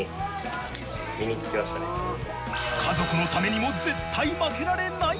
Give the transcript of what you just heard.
家族のためにも絶対負けられない！